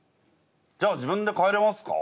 じゃあ自分で帰れますか？